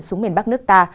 xuống miền bắc nước ta